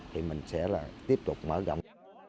thì mình sẽ là tiếp tục mở rộng